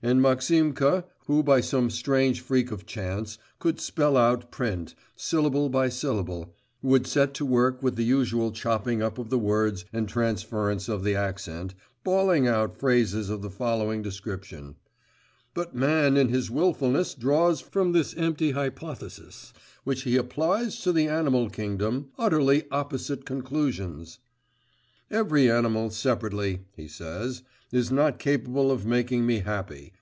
And Maximka, who by some strange freak of chance, could spell out print, syllable by syllable, would set to work with the usual chopping up of the words and transference of the accent, bawling out phrases of the following description: 'but man in his wilfulness draws from this empty hypothesis, which he applies to the animal kingdom, utterly opposite conclusions. Every animal separately,' he says, 'is not capable of making me happy!